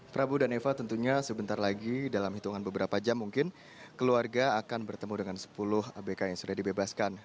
prabu dan eva tentunya sebentar lagi dalam hitungan beberapa jam mungkin keluarga akan bertemu dengan sepuluh abk yang sudah dibebaskan